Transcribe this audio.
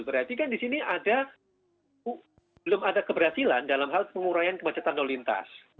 berarti kan di sini ada belum ada keberhasilan dalam hal penguraian kemacetan lalu lintas